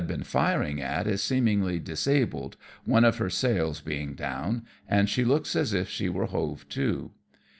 been firing at is seemingly disabled, one of her sails being down^ and she looks as if she were hove to.